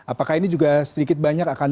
apakah ini juga sedikit banyak akan